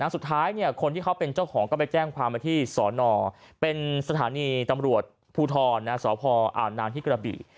สุดท้ายคนที่เขาเป็นเจ้าของก็ไปแจ้งความมาที่สนเป็นสถานีตำรวจภูทรสพอ่าวนางที่กระบี่